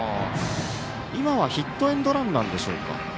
今はヒットエンドランなんでしょうか。